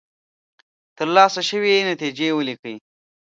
ترلاسه شوې نتیجې ولیکئ.